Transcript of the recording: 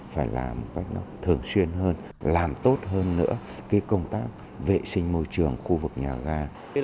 phải làm một cách nó thường xuyên hơn làm tốt hơn nữa cái công tác vệ sinh môi trường khu vực nhà ga